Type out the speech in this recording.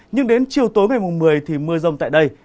nhưng đến chiều tối ngày một mươi thì mưa rông tại đây